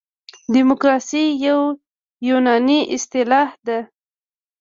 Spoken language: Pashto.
دموکراسي یوه یوناني اصطلاح ده.